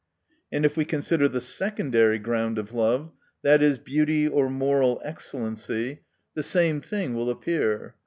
And if we consider thesecondary ground of love, viz., beauty, or moral ex cellency, the same thing will appear.